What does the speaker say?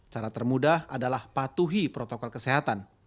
cara termudah adalah patuhi protokol kesehatan